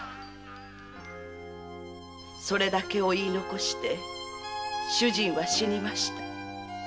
それだけを言い遺して主人は死にました。